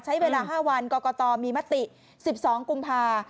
ใช้เวลา๕วันกรกตมีมติ๑๒กุมภา